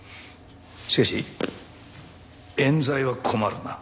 しかし冤罪は困るな。